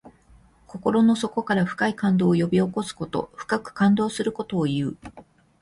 心の底から深い感動を呼び起こすこと。深く感動することをいう。